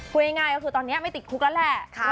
พูดง่ายก็คือตอนนี้ไม่ติดคุกแล้วแหละ